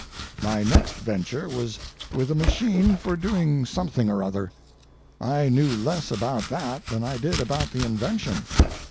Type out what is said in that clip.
My next venture was with a machine for doing something or other. I knew less about that than I did about the invention.